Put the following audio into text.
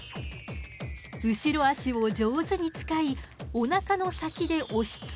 後ろ足を上手に使いおなかの先で押しつけて固定。